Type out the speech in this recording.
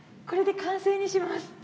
これで完成にします。